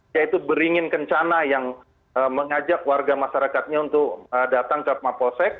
yaitu beringin kencana yang mengajak warga masyarakatnya untuk datang ke mapolsek